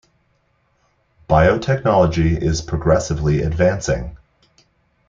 Biotechnology is progressively advancing.